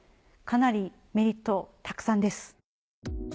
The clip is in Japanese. かなりメリットたくさんです。